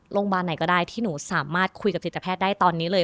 โรงพยาบาลไหนก็ได้ที่หนูสามารถคุยกับจิตแพทย์ได้ตอนนี้เลย